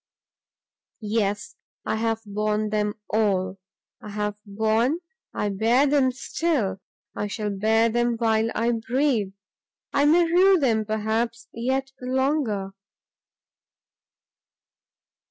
"Yes, I have borne them all! have borne? I bear them still; I shall bear them while I breathe! I may rue them, perhaps, yet longer."